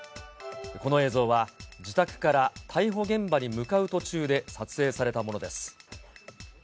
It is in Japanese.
この映像は、自宅から逮捕現場に向かう途中で撮影されたものです。